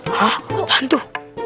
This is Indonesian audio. hah apaan tuh